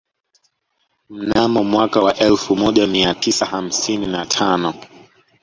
Mnamo mwaka wa elfu moja mia tisa hamsini na tano